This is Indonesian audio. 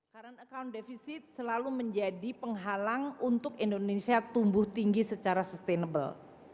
current account deficit selalu menjadi penghalang untuk indonesia tumbuh tinggi secara sustainable